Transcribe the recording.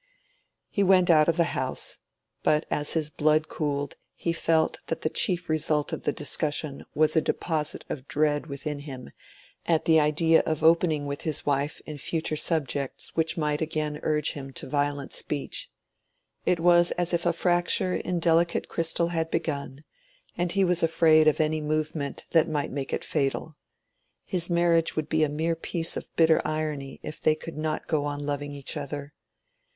He went out of the house, but as his blood cooled he felt that the chief result of the discussion was a deposit of dread within him at the idea of opening with his wife in future subjects which might again urge him to violent speech. It was as if a fracture in delicate crystal had begun, and he was afraid of any movement that might make it fatal. His marriage would be a mere piece of bitter irony if they could not go on loving each other.